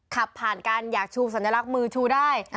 ขับผ่านกันอยากชูสัญลักษณ์มือชูได้